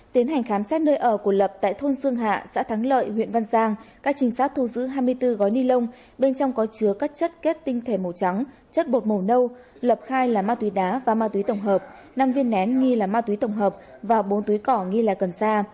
tiến hành khám xét nơi ở của lập tại thôn dương hạ xã thắng lợi huyện văn giang các trinh sát thu giữ hai mươi bốn gói ni lông bên trong có chứa các chất kết tinh thể màu trắng chất bột màu nâu lập hai là ma túy đá và ma túy tổng hợp năm viên nén nghi là ma túy tổng hợp và bốn túi cỏ nghi là cần sa